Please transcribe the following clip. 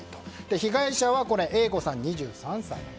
被害者は、Ａ子さん、２３歳。